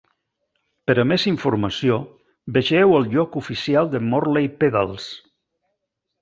Per a més informació, vegeu el lloc oficial de Morley Pedals.